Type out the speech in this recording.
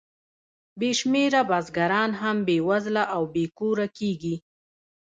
بې شمېره بزګران هم بېوزله او بې کوره کېږي